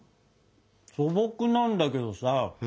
素朴なんだけどさ